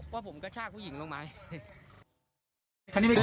ว่าผมกระชากผู้หญิงลงไหม